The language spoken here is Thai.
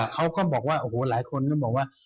เขาก็บอกว่าโอ้โหหลายคนก็บอกว่า